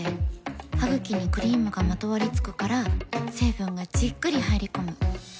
ハグキにクリームがまとわりつくから成分がじっくり入り込む。